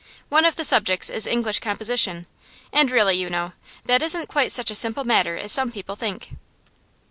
One of the subjects is English composition, and really, you know, that isn't quite such a simple matter as some people think.